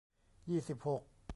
ยี่สิบหก